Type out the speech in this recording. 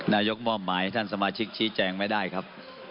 นายกมอบหมายท่านสมาชิกชี้แจงไม่ได้ครับ